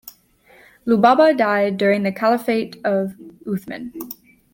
Lubaba died during the caliphate of Uthman.